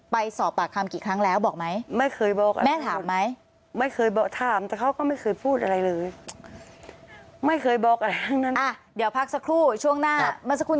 ไปสอบปากคำกี่ครั้งแล้วบอกไหม